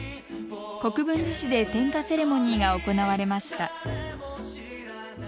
国分寺市で点火セレモニーが行われました。